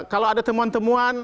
kalau ada temuan temuan